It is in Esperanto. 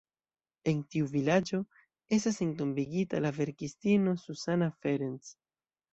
En tiu vilaĝo estas entombigita la verkistino Zsuzsanna Ferencz.